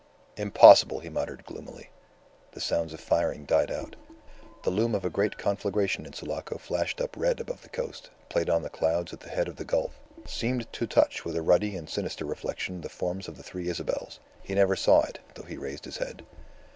"Impossible!" he muttered, gloomily. The sounds of firing died out. The loom of a great conflagration in Sulaco flashed up red above the coast, played on the clouds at the head of the gulf, seemed to touch with a ruddy and sinister reflection the forms of the Three Isabels. He never saw it, though he raised his head.